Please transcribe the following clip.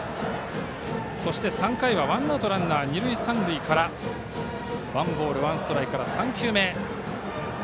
そして３回はワンアウトランナー、二塁三塁からワンボールワンストライクから３球目。